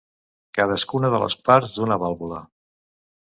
Cadascuna de les parts d'una vàlvula.